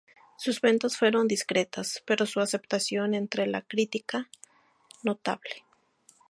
Sus ventas fueron discretas, pero su aceptación entre la crítica, notable.